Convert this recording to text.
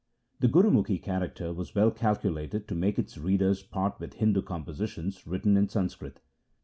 The Gurumukhi character was well calculated to make its readers part with Hindu compositions written in Sanskrit.